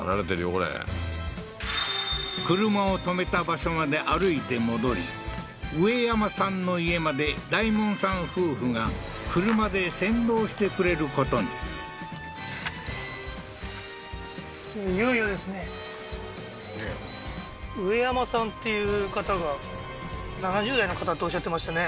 これ車を止めた場所まで歩いて戻りウエヤマさんの家まで大門さん夫婦が車で先導してくれることにウエヤマさんっていう方が７０代の方っておっしゃってましたね